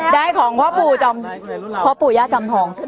ได้ของพ่อปู่ย่าจำทอง